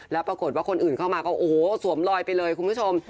แล้วปรากฏว่าคนอื่นเข้ามาก็โอ้โหสวมลอยไปเลยคุณผู้ชม